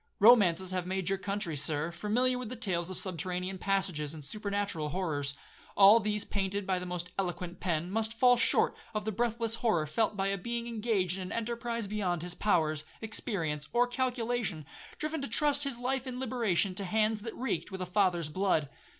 Romances have made your country, Sir, familiar with tales of subterranean passages, and supernatural horrors. All these, painted by the most eloquent pen, must fall short of the breathless horror felt by a being engaged in an enterprise beyond his powers, experience, or calculation, driven to trust his life and liberation to hands that reeked with a father's blood.